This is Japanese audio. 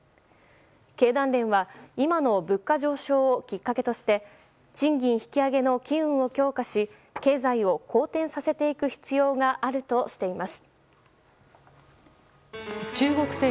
経団連は今の物価上昇をきっかけとして賃金引き上げの機運を強化し経済を好転させていく必要があるとしています。